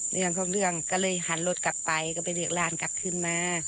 เรื่องของเรื่องก็เลยหันรถกลับไปก็ไปเรียกหลานกลับขึ้นมา